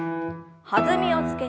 弾みをつけて２度。